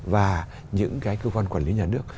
và những cái cơ quan quản lý nhà nước